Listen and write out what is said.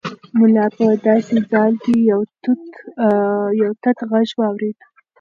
ملا په داسې حال کې یو تت غږ واورېد.